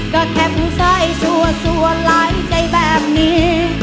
ก็แค่พูดใส่ชั่วไหล่ใจแบบนี้